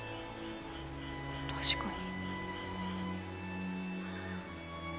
確かに。